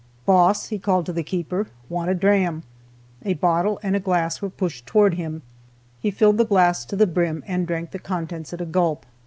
"Boss," he called to the keeper, "want a dram!" A bottle and a glass were pushed towards him, he filled the glass to the brim, and drank the contents at a gulp.